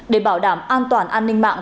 để bảo đảm an toàn an ninh mạng